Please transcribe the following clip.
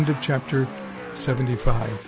CHAPTER SEVENTY SIX.